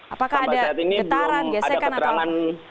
apakah ada getaran